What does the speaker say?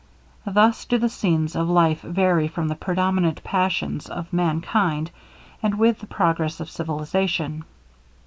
Thus do the scenes of life vary with the predominant passions of mankind, and with the progress of civilization.